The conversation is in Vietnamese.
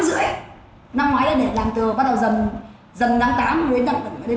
rưỡi năm ngoái là để làm từ bắt đầu dần dần tháng tám đến